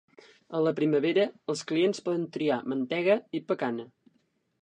A la primavera, els clients poden triar mantega i pacana.